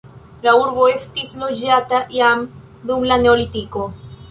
La urbo estis loĝata jam dum la neolitiko.